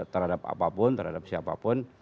terhadap apapun terhadap siapapun